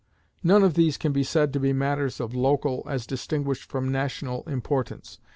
None of these can be said to be matters of local, as distinguished from national importance.